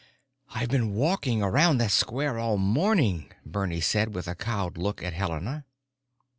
"I've been walking around that square all morning," Bernie said, with a cowed look at Helena.